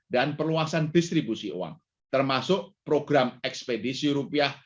dan perluasan distribusi uang termasuk program ekspedisi rupiah